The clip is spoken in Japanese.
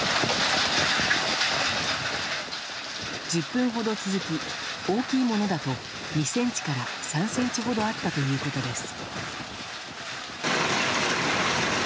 １０分ほど続き大きいものだと２ｃｍから３ｃｍほどあったということです。